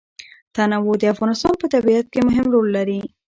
تنوع د افغانستان په طبیعت کې مهم رول لري.